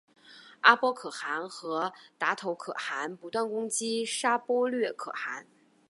阿波可汗和达头可汗不断攻击沙钵略可汗。